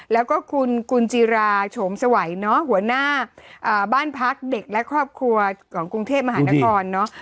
แล้วก็คุณกุญจิราโฉมสวัยเนาะหัวหน้าบ้านพักเด็กและครอบครัวของกรุงเทพมหานครเนาะ